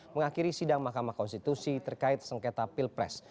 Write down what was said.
mengakhiri sidang mahkamah konstitusi terkait sengketa pilpres